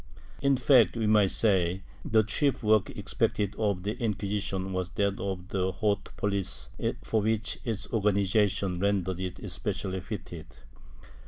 In fact, we may say, the chief work expected of the Inquisition was that of the haute 'police, for which its organization rendered it especially fitted.